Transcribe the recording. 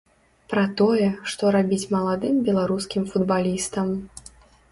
Пра тое, што рабіць маладым беларускім футбалістам.